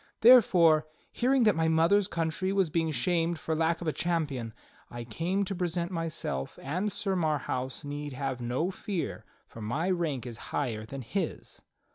Therefore, hearing that my mother's country was being shamed for lack of a champion, I came to present myself; and Sir Marhaus need have no fear, for my rank is higher than his."